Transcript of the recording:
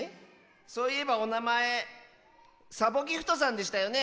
そういえばおなまえサボギフトさんでしたよね？